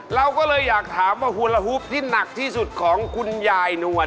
เราก็เลยอยากถามว่าฮุลฮุบที่หนักที่สุดของคุณยายนวล